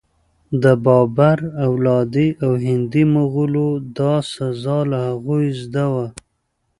د بابر اولادې او هندي مغولو دا سزا له هغوی زده وه.